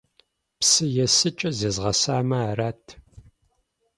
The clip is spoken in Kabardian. Псы есыкӏэ зезгъэсамэ арат!